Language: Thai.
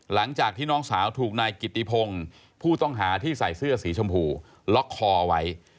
หลังจากที่น้องสาวถูกนายกิติพงศ์ผู้ต้องหาที่ใส่เสื้อสีชมพูล็อกคอเอาไว้